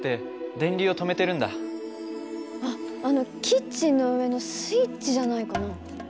あっあのキッチンの上のスイッチじゃないかな？